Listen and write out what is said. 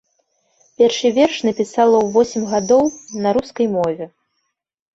Першы верш напісала ў восем гадоў на рускай мове.